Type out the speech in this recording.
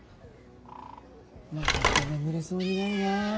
また眠れそうにないな。